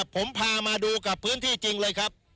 ผมพามาดูกับพื้นที่จริงเลยครับ